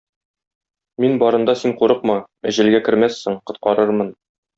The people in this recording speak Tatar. Мин барында син курыкма, әҗәлгә кермәссең, коткарырмын.